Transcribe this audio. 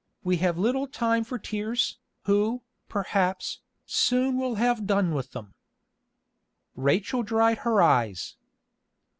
We have little time for tears, who, perhaps, soon will have done with them." Rachel dried her eyes.